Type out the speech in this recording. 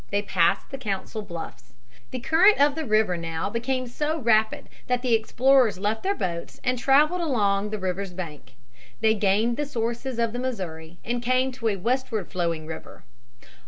They passed the Council Bluffs. The current of the river now became so rapid that the explorers left their boats and traveled along the river's bank. They gained the sources of the Missouri, and came to a westward flowing river.